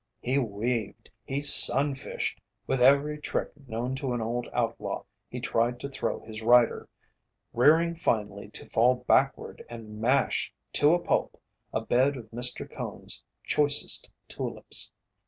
He "weaved," he "sunfished" with every trick known to an old outlaw he tried to throw his rider, rearing finally to fall backward and mash to a pulp a bed of Mr. Cone's choicest tulips.